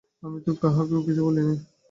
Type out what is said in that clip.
আমি তো কাহাকেও কিছু বলি নাই।